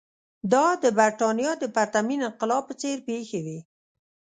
دا د برېټانیا د پرتمین انقلاب په څېر پېښې وې.